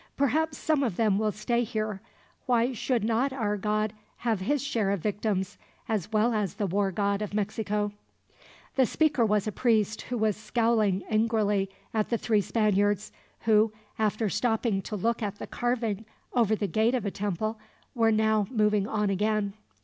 "Perhaps some of them will stay here. Why should not our god have his share of victims, as well as the war god of Mexico?" The speaker was a priest, who was scowling angrily at the three Spaniards; who, after stopping to look at the carving over the gate of a temple, were now moving on again.